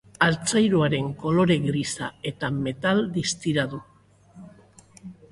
Altzairuaren kolore grisa eta metal distira du.